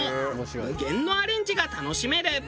無限のアレンジが楽しめる。